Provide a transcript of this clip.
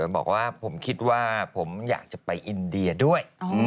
บอกว่าผมคิดว่าผมอยากจะไปอินเดียด้วย